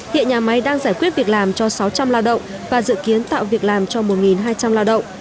hiện nhà máy đang giải quyết việc làm cho sáu trăm linh lao động và dự kiến tạo việc làm cho một hai trăm linh lao động